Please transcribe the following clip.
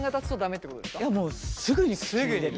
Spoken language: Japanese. いやもうすぐにすすって。